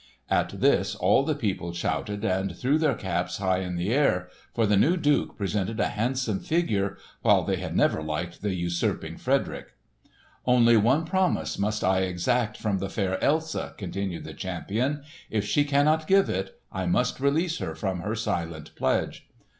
At this all the people shouted and threw their caps high in the air; for the new duke presented a handsome figure, while they had never liked the usurping Frederick. "Only one promise must I exact from the fair Elsa," continued the champion. "If she cannot give it, I must release her from her silent pledge."